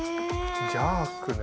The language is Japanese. ジャークね。